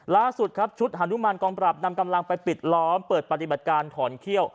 ล่าสุดครับชุดฮานุมานกองปรับนำกำลังไปปิดล้อมเปิดปฏิบัติการถอนเขี้ยว